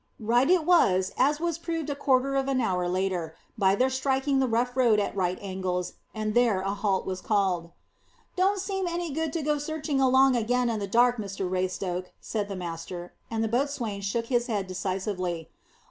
Right it was, as was proved a quarter of an hour later, by their striking the rough road at right angles, and there a halt was called. "Don't seem any good to go searching along again in the dark, Mr Raystoke," said the master; and the boatswain shook his head decisively.